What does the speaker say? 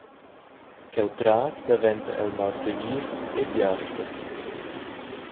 Cheutras daventa el malsegirs ed jasters.